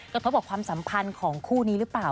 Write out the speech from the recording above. กระทบกับความสัมพันธ์ของคู่นี้หรือเปล่า